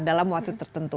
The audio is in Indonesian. dalam waktu tertentu